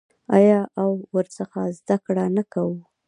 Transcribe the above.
آیا او ورڅخه زده کړه نه کوو؟